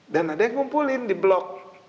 dan ada yang kumpulin di blog